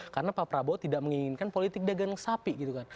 karena pak prabowo tidak menginginkan politik dagang sapi gitu kan